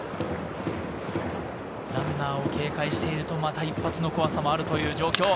ランナーを警戒してると、また一発の怖さもあるという状況。